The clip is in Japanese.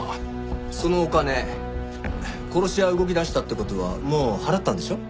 そのお金殺し屋が動き出したって事はもう払ったんでしょ？